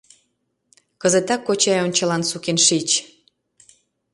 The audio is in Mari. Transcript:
Кызытак кочай ончылан сукен шич!